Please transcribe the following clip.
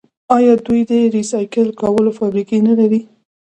آیا دوی د ریسایکل کولو فابریکې نلري؟